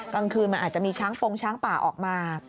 กลางคืนมันอาจจะมีช้างฟงช้างป่าออกมา